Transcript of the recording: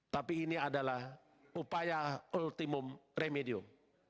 tapi ini adalah upaya ultimum remedium